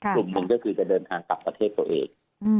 กลุ่มหนึ่งก็คือจะเดินทางกลับประเทศตัวเอง